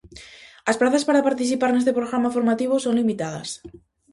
As prazas para participar neste programa formativo son limitadas.